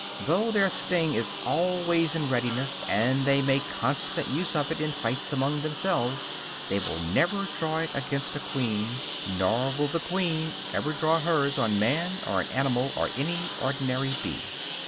Though their sting is always in readiness, and they make constant use of it in fights among themselves, they will never draw it against a queen; nor will the queen ever draw hers on man, or an animal or any ordinary bee.